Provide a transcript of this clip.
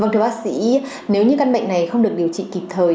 vâng thưa bác sĩ nếu như căn bệnh này không được điều trị kịp thời